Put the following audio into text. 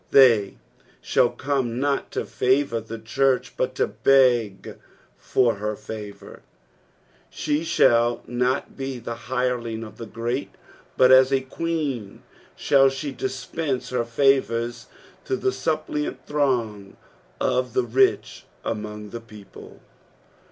They shall come not to favour the church but to beg for her favour. She shall not bo the hireling of the great, but as a queen shall she dispense her favours to the suppliant throng of the rich among Che people.